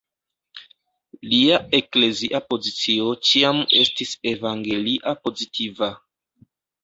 Lia eklezia pozicio ĉiam estis evangelia-pozitiva.